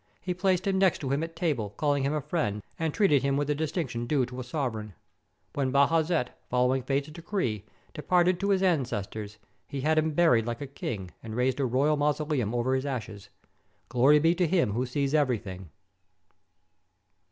He placed him next to him at table, calling him friend, and treated him with the distinction due to a sovereign. When Bajazet, following fate's decree, departed to his ances tors, he had him buried like a king, and raised a royal mausoleum over his ashes. Glory be to Him who sees everything!